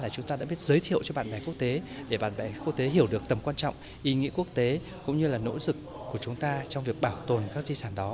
chúng ta đã biết giới thiệu cho bạn bè quốc tế để bạn bè quốc tế hiểu được tầm quan trọng ý nghĩa quốc tế cũng như là nỗ lực của chúng ta trong việc bảo tồn các di sản đó